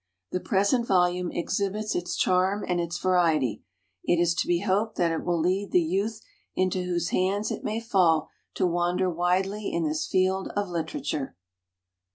The present volume exhibits its charm and its variety. It is to be hoped that it will lead the youth into whose hands it may fall to wander widely in this field of literature.